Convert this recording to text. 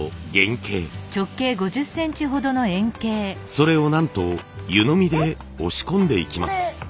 それをなんと湯飲みで押し込んでいきます。